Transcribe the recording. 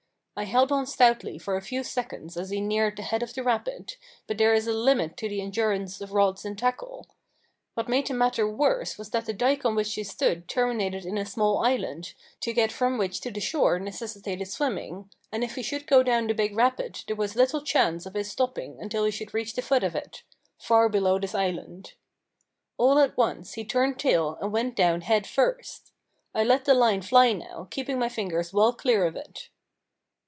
I held on stoutly for a few seconds as he neared the head of the rapid, but there is a limit to the endurance of rods and tackle. What made the matter worse was that the dike on which I stood terminated in a small island, to get from which to the shore necessitated swimming, and if he should go down the big rapid there was little chance of his stopping until he should reach the foot of it far below this island. All at once he turned tail and went down head first. I let the line fly now, keeping my fingers well clear of it.